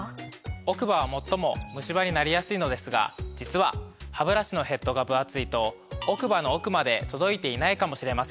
奥歯は最もムシ歯になりやすいのですが実はハブラシのヘッドが分厚いと奥歯の奥まで届いていないかもしれません。